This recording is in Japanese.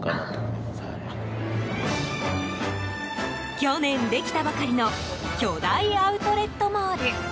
去年、できたばかりの巨大アウトレットモール。